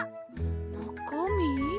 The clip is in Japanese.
なかみ？